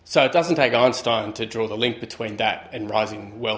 jadi tidak mengambil peran dari einstein untuk menemukan hubungan antara itu dan keinginan kekayaan